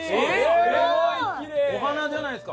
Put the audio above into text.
すごい！お花じゃないですか。